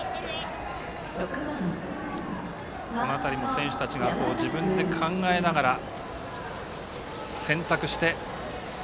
選手たちが自分で考えながら選択して。